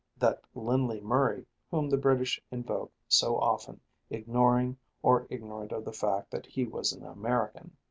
that Lindley Murray whom the British invoke so often, ignoring or ignorant of the fact that he was an American.